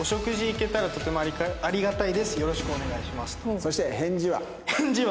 そして返事は？